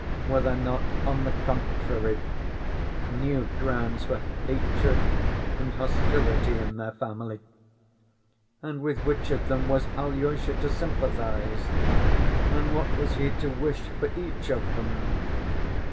Were there not, on the contrary, new grounds for hatred and hostility in their family? And with which of them was Alyosha to sympathize? And what was he to wish for each of them?